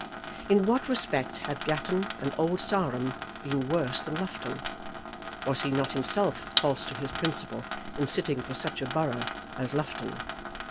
In what respect had Gatton and Old Sarum been worse than Loughton? Was he not himself false to his principle in sitting for such a borough as Loughton?